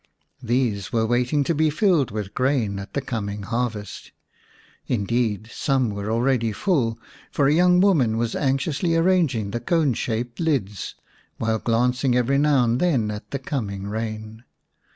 These were waiting to be filled with grain at the coming harvest ; indeed some were already full, for a young woman was anxiously arranging the cone shaped lids while glancing every now and then at the coming rain.